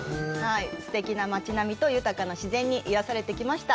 すてきな街並みと豊かな自然に癒やされてきました。